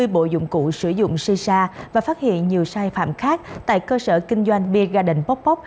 năm mươi bộ dụng cụ sử dụng xây xa và phát hiện nhiều sai phạm khác tại cơ sở kinh doanh beer garden poc poc